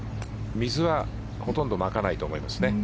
水はほとんどまかないと思います。